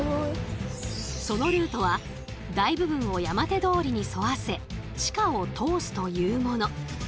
そのルートは大部分を山手通りに沿わせ地下を通すというもの。